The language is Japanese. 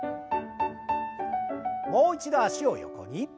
もう一度脚を横に。